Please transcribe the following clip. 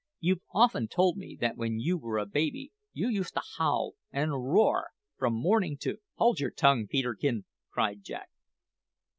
You've often told me that when you were a baby you used to howl and roar from morning to " "Hold your tongue, Peterkin!" cried Jack.